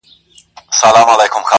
دومره خو هم گراني بې باكه نه يې,